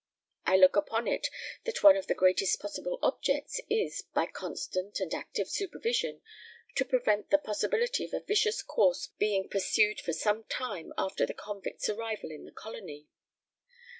I look upon it that one of the greatest possible objects is, by constant and active supervision, to prevent the possibility of a vicious course being pursued for some time after the convict's arrival in the colony.